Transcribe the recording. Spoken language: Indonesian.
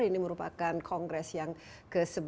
ini merupakan kongres yang ke sebelas